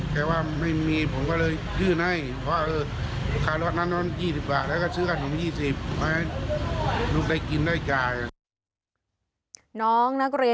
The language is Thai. เขาบอกไม่มีผมก็เลยฮื่นให้